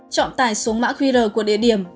chọn tải xuống mã qr của địa điểm